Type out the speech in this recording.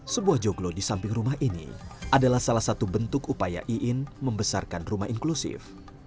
sebuah joglo di samping rumah ini adalah salah satu bentuk upaya iin membesarkan rumah inklusif